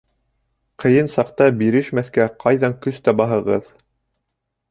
— Ҡыйын саҡта бирешмәҫкә ҡайҙан көс табаһығыҙ?